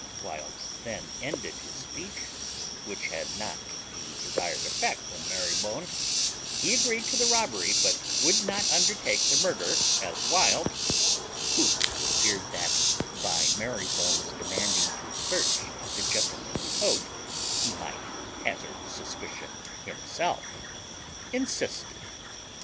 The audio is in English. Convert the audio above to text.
Wild then ended his speech, which had not the desired effect on Marybone: he agreed to the robbery, but would not undertake the murder, as Wild (who feared that, by Marybone's demanding to search the gentleman's coat, he might hazard suspicion himself) insisted.